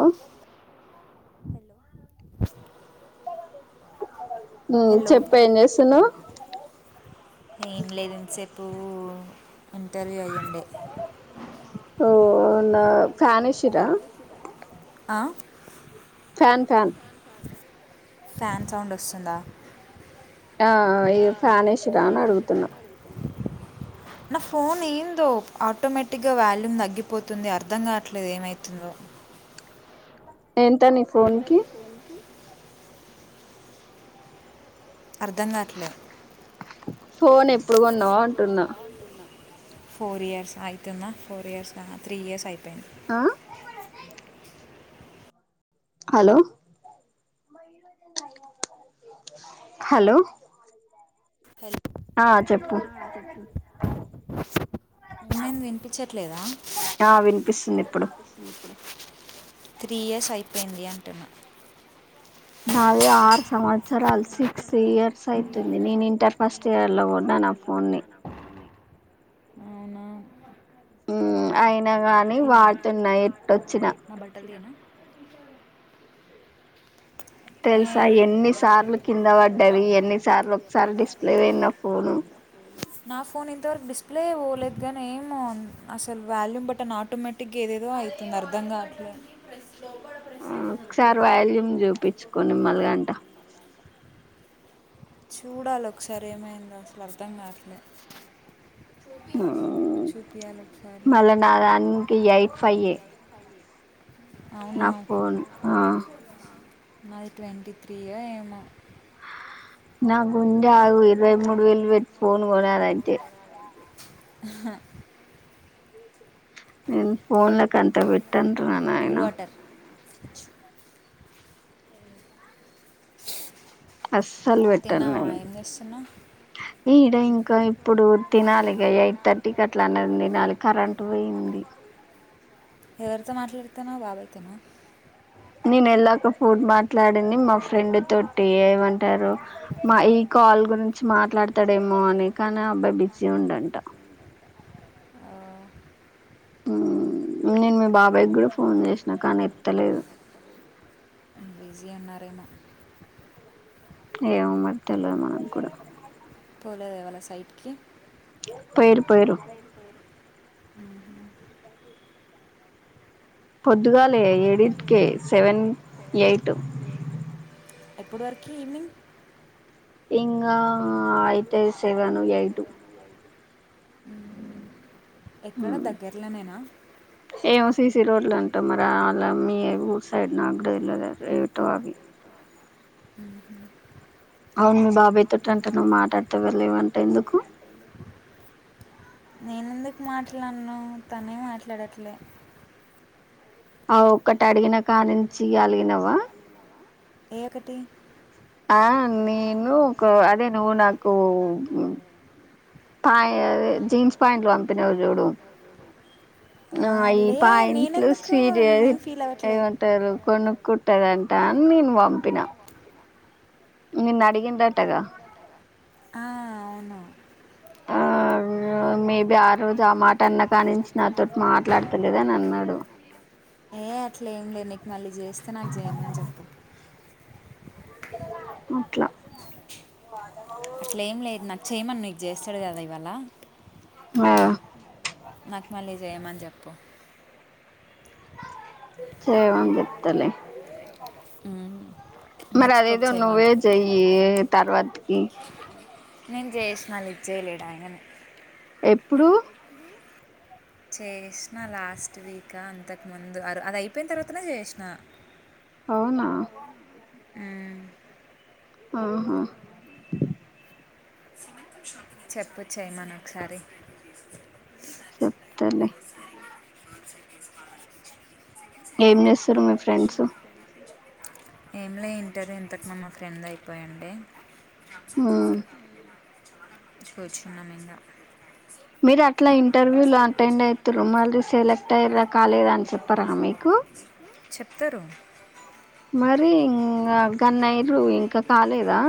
Hello um hello చెప్పు ఏం చేస్తున్నావ్ ఏం లేదు ఇంతసేపు ఇంటర్వ్యూ అయ్యుండే చిరా ఆ ఫ్యాన్ ఫ్యాన్ ఫ్యాన్ సౌండ్ వస్తుందా ఆ ఇ ఫ్యానేషరా అని అడుగుతున్నా. నా ఫోన్ ఏందో ఆటోమేటిక్ గా వాల్యూమ్ తగ్గిపోతుంది అర్ధం కాట్లేదు ఏమైతుందో. ఎంత నీ ఫోన్ కి అర్ధంంగాట్లే ఫోన్ ఎప్పుడు కొన్నావు అంటున్నా. ఫోర్ ఇయర్స్ అవుతుందా! ఫోర్ ఇయర్స్ క త్రీ ఇయర్స్ అయిపోయింది. ఆ హలో హలో హలో ఆ చెప్పు ఏమైంది వినిపించట్లేదా ఆ వినిపిస్తుంది ఇప్పుడు త్రీ ఇయర్స్ అయిపోయింది అంటున్నా నాది ఆరు సంవత్సరాలు సిక్స్ ఇయర్స్ అయితుంది నేను ఇంటర్ ఫస్ట్ ఇయర్ లో కొన్న నా ఫోన్ ని. అవునా ఉ అయి నాగాని తీయనా వాడుతున్నా బట్టలు? ఎట్టొచ్చిన. నా బట్టలు తీయనా ఏ తెలుసా ఎన్నిసార్లు కింద పడ్డవి ఎన్నిసార్లు ఒకసారి డిస్ప్లే పోయిన ఫోను. నా ఫోన్ ఇంతవరకు డిస్ప్లే పోవలేదు గానీ ఏమో అసలు వాల్యూమ్ బట్ట ఆట్ టోమేటిక్గా ఏదేదో అవుతుంది అర్థం కాట్లే ఆ ఒక సారీ వాల్యూం జూపి చ్చుకోని మల్గంట. చూడాలి ఒకసారి ఏమైందో అసలు అర్థం కాట్లే. చూపియ్యాలి ఒకసారి మళ్ళా నా దానికి ఎయిట్ ఫైవ్ ఏ నా అవునా ఫోన్ మాది ట్వంటీ త్రీయ ఏమో నావ్ ఉంది అగు ఇరవై మూడు వేల్ పేట్ ఫోన్ కొన్నాను అయితే. హ నేను ఫోన్ లక్ కంత బేట్టన ర కూల్ నాయనా. వాటర్ అస్సలు పెట్టాను తిన్నావా నేను ఏం చేస్తున్నావు ఈడ ఇంకా ఇప్పుడు తినాలి ఇగ ఎయిట్ థర్టీకి అట్లా అన్నం తినాలి కరెంట్ పోయింది ఎవరితో మాట్లాడుతనవ్ బాబయ్ తోనా నీనేళ్లకు ఫోన్ మాట్లాడింది మా ఫ్రెండ్ తోటి ఏమంటారు మా ఈ కాల్ గురించి మాట్లాడతాడేమో అని కానీ ఆ అబ్బాయి బిజీ ఉండంట ఆ హు నేను మీ బాబాయ్కి కూడా ఫోన్ చేసినా కానీ ఎత్తలేదు బిజీ ఉన్నారేమొ ఏమొ మరి తెల్వదు మనకుండా పోలేద్ ఇవ్వాళ సైడ్కి పోయిర్రు పోయిర్రు అ పోద్ దుగాలే ఎడింట్కే సెవెన్ యయిట్ గప్పడి వరకు ఈవెనింగ్ ఇంగ అయితది సెవను, యైటు ఉమ్. ఉమ్... ఏవో సిసి రోడ్లంట మరాల్ల మీ ఊర్ సైడ్ నాక్కుడా తెలువదు రే ఏటో అవీ ఉహూ అవును మీ బాబాయ్ తోటంట నువ్వు మాట్లాడుతళ్లేవంట ఎందుకు నేనెందుకు మాట్లడను, తనే మాట్లాడట్లే ఆ ఒక్కటడిగినా కానించి ఇగ అలిగినవా ఏఒకటి ఆ నేను ఒక అదే నువ్వు నాకూ పాయే అదే జీన్స్ పాయాంట్లు పంపినావు చూడు ఆ, నువు అయి లే పాయాంట్లు నేనెందుకు సీరియ నేనేం ఫీల్ అవ్వట్లే ఏమంటారు కొనుక్కు ట్టేదంట నేను పంపిన నిన్నడిగిన్ ఆ అవును ఆ మేబి ఆ రోజు ఆ మాట అన్న కానించి నాతోటి మాట్లాడతలేదని అన్నడు ఏ అట్లా ఏం లేదు నీకు మళ్ళీ చేస్తే నాకు చేయమని చెప్పు అట్లా అట్లా ఏం లేదు నాకు చేయమని నీకు చేస్తడు కదా ఇవాళ ఆ నాకు మళ్ళి చేయమని జెప్పు చేయమని చెప్తాలే ఉమ్ మరి మర్చిపోక అదేదో నువ్వే చేయమను చెయ్యే తర్వాత్ కి నేను జేసిన లిఫ్ట్ చేయలేడాయిననే ప్పుడు చేసినా లాస్ట్ వీక్ అంతకు ముందు అర్ అది అయిపోయిన తర్వాతనే చేసినా అవునా మ్ ఆహా చెప్ప చ్చాయి మన ఒకసారి‌ చెప్తలే [unintelligible] ఏంచేస్తూ రు మి ఫ్రెండ్స్ ఏం లే ఇంటర్ ఇంతకు మా ఫ్రెండ్ అయిపోయుండే ఉమ్ [unintelligible] చాహ [unintelligible] మీరు అట్లా ఇంటర్వ్యూలు అటెండ్ అవుతారు మళ్ళీ సెలెక్ట్ అయ్యారా కాలేద అని చెప్పరా మీకు తరు మరి ఇంగా గన్నేరు ఇంకా కాలేదా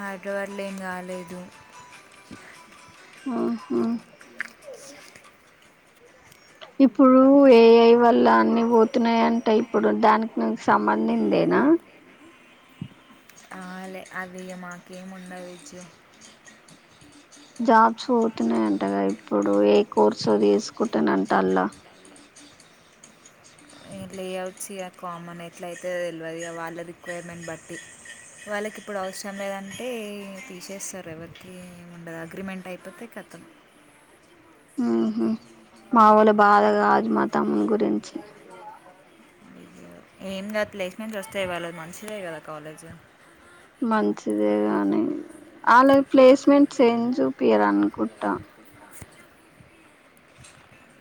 ఆడ వాడ్లు ఏం కాలేదు ఆ హా ఇప్పుడు ఏఐ వల్ల అన్ని పోతున్నాయంటే ఇప్పుడు దానికి కు సంబంఇందేనా ఆలే అవి య మాకము ఉండ విచ్చు జాచ్ పోతున్నాయంటగా ఇప్పుడు ఏ కోర్సు తీసుకుంటాన అంట అల్లా లే అవుట్స్ ఇక కామన్ ఎట్ల అయితే తెలివదు ఇ వాళ్ళ రిక్వైర్మెంట్ బట్టి వాళ్ళకి ఇప్పుడు అవసరం లేదంటే తీసేస్తారు ఎవరికి ఉండదు అగ్రిమెంట్ అయిపోతే కథం మ్ హ మా వాలు బాధ కాజు మా తముని గురించి ఏమ కధు ప్లేస్‌మెంట్లు వాస్టే వాళ్ళ మంచిదే కదా కాలేజ్ మంచిదే కాని వాళ్ళ ప్లేస్మెంట్స్ ఏం చూపియారు అనుకుంటా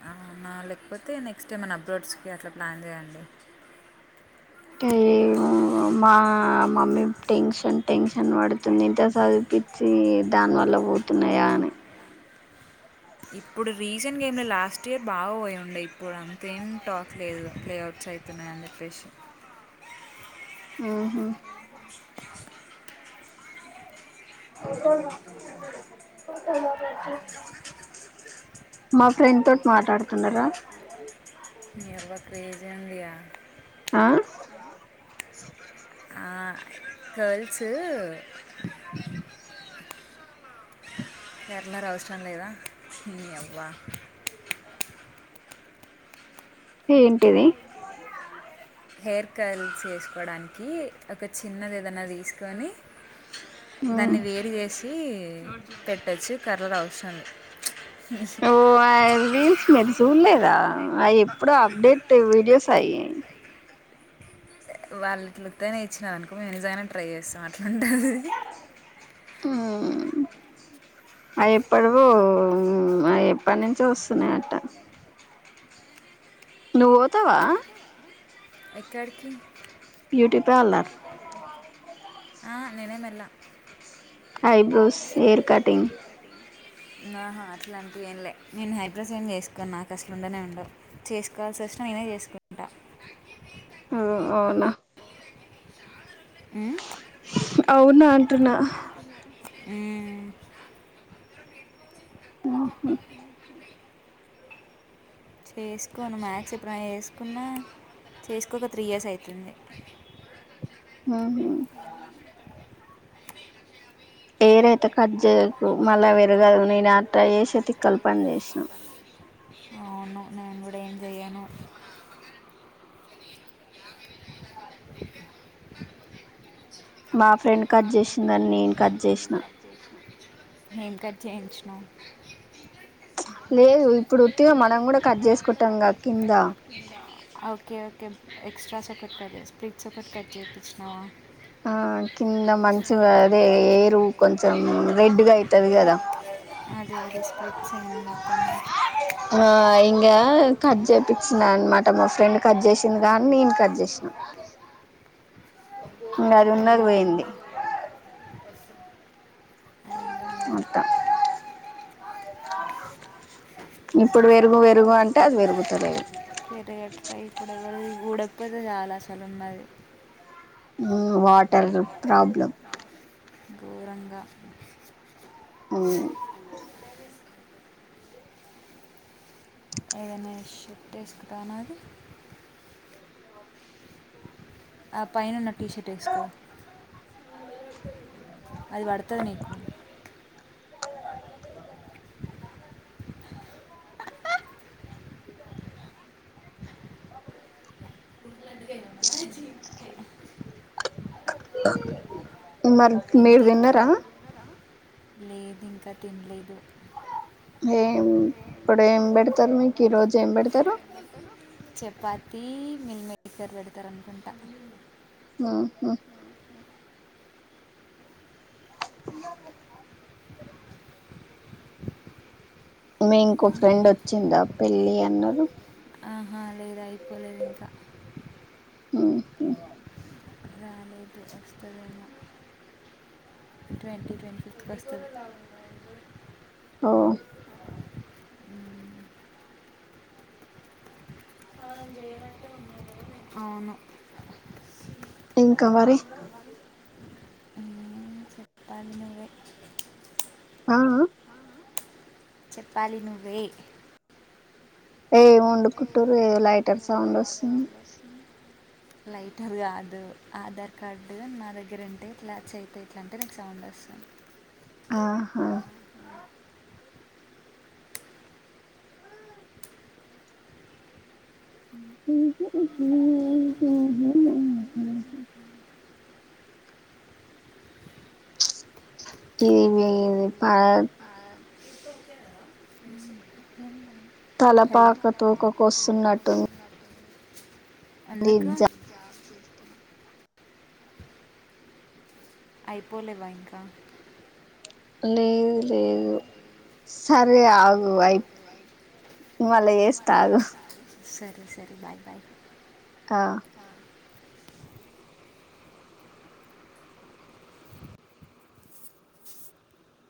అ నా లేకపోతే నెక్స్ట్మన అబ్రోడ్స్కి అట్లా ప్లాన్ చేయండి ట మా మమ్మీ టెన్షన్ టెన్షన్ పడుతుంది ఇంత చదిపించి దాని వల్ల పోతున్నాయా అని ఇప్పుడు రీసెంట్ గేమ్లు లాస్ట్ ఇయర్ బాగా పోయి ఉండే ఇప్పుడు అంతేం టాక్ లేదు ప్లేఅవుట్స్ అవుతున్నాయని చెప్పేసి ఓ హా మా ఫ్రెండ్ తోటి మాట్లాడుతున్నారా ఎవ క్రేజీ ఉండిగా ఆ ఆ కేల్స్ ఎరనర్ అవసరం లేదా ని అవ్వా ఏంటిది హెర్ కర్ల్ చేసుకోవడానికి ఒక చిన్నది ఏదనా తీసుకొని దాన్ని వేరు చేసి ఇ పెట్టొచు కర్రర్ అవసం ఓ అ వీల్స్ మెట్స్ ఉల దా అ ఎప్పుడు అప్డేట్ వీడియోస్ అయ వాళ్ళ ఇట్లతేనే ఇచ్చిన అనుకో మేము నిజంగానే ట్రై చేస్తాం అట్లాంటది అ ఎప్పడు ఎప్పటి నుంచో వస్తున్నా అట్ట నువ్వు ఓతావా ఎక్కాడికి బ్యూటీ పార్లర్ ఆ నేనేం ఎల్లా ఐబ్రోస్ హెయిర్ కటింగ్ నా హా అట్లాంటివి ఏం లే నేను హైబ్రోస్ ఏం చేసుకోను నాకు అసలు ఉండనే ఉండవు చేసుకోవాల్సి వచ్చిన నేనే చేసుకుంటా ఓ అవునా మ్మ్ అవునా అంటున్నా. ఉమ్, మ్మ్ హు చేసుకోను మ్యాక్ష్ ఎప్పుడైన చేసుకున్నా చేసుకోక త్రీ ఇయర్స్ అయితుంది. ఆ హా హెయిరైతే కట్ జేయకు మళ్ళ పెరగదు, నేను అట్ల చేసే తిక్కల పని చేసినా. అవును నేను కూడా ఏం చేయను మా ఫ్రెండ్ కట్ జేసిందని నేను కట్ జేసిన ఏం కట్ చేయించినవ్ లేదు ఇప్పుడు ఉత్తిగా మనం కూడ కట్ చేసుకుటం గా కింద ఓకే ఓకే ఎక్స్ట్రాస్ ఒకటి కట్ చే స్ప్రిట్స్ ఒకటి కట్ చేపిస్తున్నవా ఆ కింద మంచుగా అదే హెయిర్ కొం చెం రెడ్ గా అయితది కదా, అదే అదే స్ప్లిట్స్ అయింది మొత్తం ఆ ఇం గా కట్ చేపిచ్చిన అనమాట, మా ఫ్రెండ్ కట్ చేసిందిగా అని నేను కట్ చేసిన. ఇంగ అది ఉన్నది పోయింది. అయ్యో అట్ట ఇప్పుడు వెరుగు వెరుగు అంటే అది వెరుగుతలేదు. ఇప్పడితే చాలు అసలున్నది. మ్మ్ వాటర్ ప్రాబ్లం. ఇంగ మ్మ్ ఏదన ష్యూ టేసుకుటనాది ఆ పైనున్న టీ షర్ట్ ఏసుకో. అది పడుతది నీకు. ఉన్నరు మీరు ఇంటికి విన్నరా? ఇంక తినలేదు. ఏం ప్పుడు ఏం పెడుతరు మీకు ఈరోజు ఏం పెడుతరు? చపాతీ, మిలిమేకర్ పెడుతరు అనుకుంట. మ్మ్ హు మీ ఇంకో ఫ్రెండ్ వచ్చింద పెళ్ళి అన్నరు. ఆ హా లేదు అయిపోలేదు ఇంక మ్మ్ హు అ లేదు వస్తదేమో! ట్వంటీ, ట్వంటీ ఫిఫ్త్ కి వస్తది. ఓ మ్మ్. అవును. ఇంక మరి ఉమ్, చెప్పాలి నువ్వే అ ఆఁ చెప్పాలి నువ్వే. ఏం వండుకుంటురు ఏ లైటర్ సౌండ్ వస్తుంది. లైటర్ కాదు, ఆధార్ కార్డు నా దగ్గర ఉంటే ఇట్లా చేయితో ఇట్లా అంటే సౌండ్ వస్తుంది. ఆహా [inaudible] ఇది మీది పత్ తల హలో పాక తోక ఒస్తున్నట్టుంది కా అయిపోలేవ ఇంకా లేదు లేదు సరే ఆగు అయి మల్ల చేస్తానాగు సరే సరే బాయ్ బాయ్ ఆ